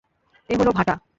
এ হলো ভাটা।